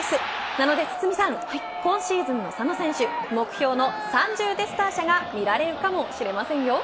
なので堤さん今シーズンの佐野選手目標の３０デスターシャが見られるかもしれませんよ。